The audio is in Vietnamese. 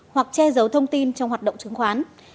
hoặc che giấu thông tin trong hoạt động chứng khoán